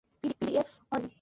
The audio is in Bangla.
PDF, audio file.